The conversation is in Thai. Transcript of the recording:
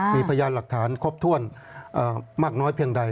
มีพยานหลักฐานครบถ้วนมากน้อยเพียงใด